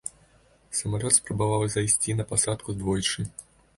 Самалёт спрабаваў зайсці на пасадку двойчы.